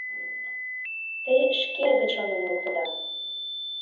Те шке гыч шонен луктыда.